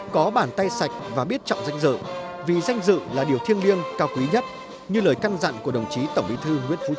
có bàn tay sạch và biết trọng danh dự vì danh dự là điều thiêng liêng cao quý nhất như lời căn dặn của đồng chí tổng bí thư nguyễn phú trọng